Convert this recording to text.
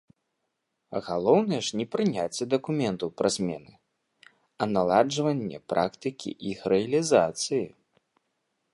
Галоўнае ж не прыняцце дакументаў пра змены, а наладжванне практыкі іх рэалізацыі.